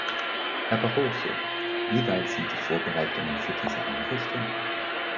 Herr Barroso, wie weit sind die Vorbereitungen für diese Einrichtung?